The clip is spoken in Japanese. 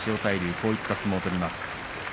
こういった相撲を取ります。